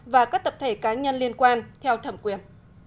và các tập thể cá nhân liên quan theo thẩm quyền